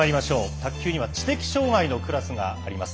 卓球には知的障がいのクラスがあります。